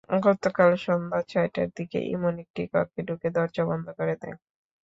গতকাল সন্ধ্যা ছয়টার দিকে ইমন একটি কক্ষে ঢুকে দরজা বন্ধ করে দেয়।